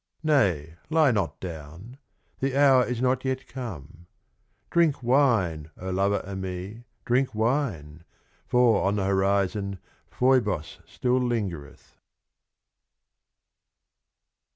Nay, lie not down ; the Hour is not yet come. Drink Wine, o Lover o' me, drink Wine ; for, on the Horizon, Phoibos still lingereth.